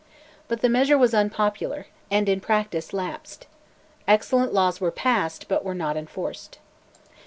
But the measure was unpopular, and in practice lapsed. Excellent laws were passed, but were not enforced.